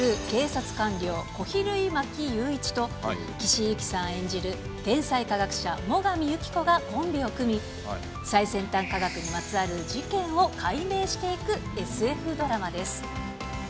警察官僚、小比類巻祐一と、岸井ゆきのさん演じる天才科学者、最上友紀子がコンビを組み、最先端科学にまつわる事件を解明していくＳＦドラマです。